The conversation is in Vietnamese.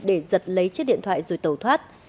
để giật lấy chiếc điện thoại rồi tẩu thoát